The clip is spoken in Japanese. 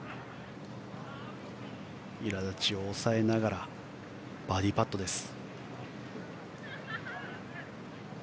いら立ちを抑えながらバーディーパットです。